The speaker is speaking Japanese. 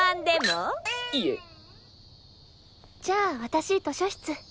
じゃあ私図書室。